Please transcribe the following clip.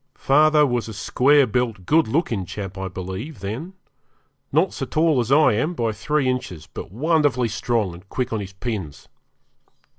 Father was a square built, good looking chap, I believe, then; not so tall as I am by three inches, but wonderfully strong and quick on his pins.